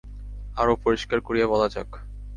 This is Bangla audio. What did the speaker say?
আরও পরিষ্কার করিয়া বলা যাক।